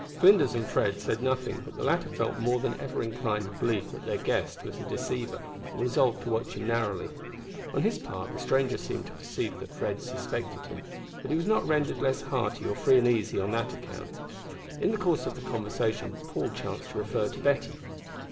Flinders and Fred said nothing, but the latter felt more than ever inclined to believe that their guest was a deceiver, and resolved to watch him narrowly. On his part, the stranger seemed to perceive that Fred suspected him, but he was not rendered less hearty or free and easy on that account. In the course of conversation Paul chanced to refer to Betty.